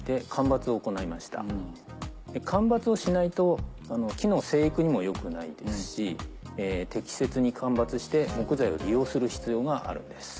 間伐をしないと木の生育にも良くないですし適切に間伐して木材を利用する必要があるんです。